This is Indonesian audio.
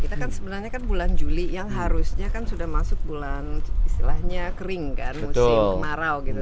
kita kan sebenarnya kan bulan juli yang harusnya kan sudah masuk bulan istilahnya kering kan musim kemarau gitu